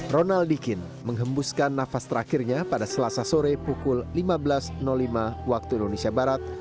ronald dikin menghembuskan nafas terakhirnya pada selasa sore pukul lima belas lima waktu indonesia barat